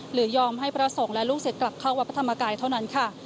ยอมให้พระสงฆ์และลูกศิษย์กลับเข้าวัดพระธรรมกายเท่านั้นค่ะ